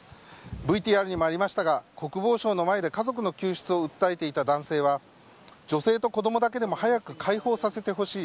ＶＴＲにもありましたが国防省の前で家族の救出を訴えていた男性は女性と子供だけでも早く解放させてほしい。